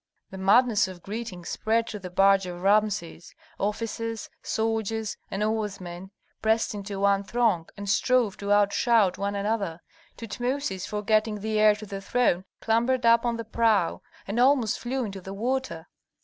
The madness of greeting spread to the barge of Rameses: officers, soldiers, and oarsmen pressed into one throng and strove to outshout one another. Tutmosis, forgetting the heir to the throne, clambered up on the prow, and almost flew into the water.